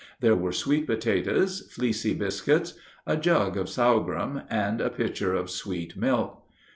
There were sweet potatoes, fleecy biscuits, a jug of sorghum, and a pitcher of sweet milk.